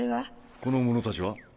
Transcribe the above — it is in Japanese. この者たちは？